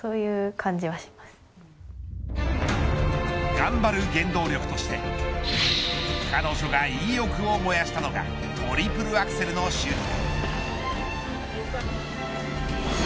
頑張る原動力として彼女が意欲を燃やしたのがトリプルアクセルの習得。